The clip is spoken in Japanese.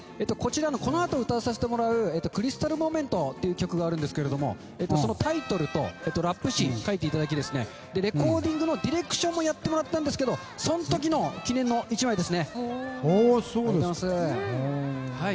このあと歌わせてもらう「ＣＲＹＳＴＡＬＭＯＭＥＮＴ」という歌があるんですけどそのタイトルとラップの詞を書いていただきましてレコーディングのディレクションもやってもらったんですけどその時の記念の１枚です。